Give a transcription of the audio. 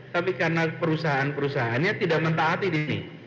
tapi karena perusahaan perusahaannya tidak mentaati di sini